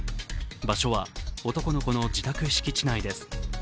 場所は男の子の自宅敷地内です。